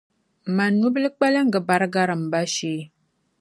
Man’ nubil’ kpaliŋga bari gari m ba shee!